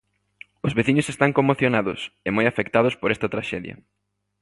Os veciños están conmocionados e moi afectados por esta traxedia.